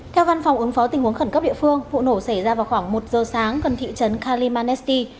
theo văn phòng ứng phó tình huống khẩn cấp địa phương vụ nổ xảy ra vào khoảng một giờ sáng gần thị trấn kalimanesti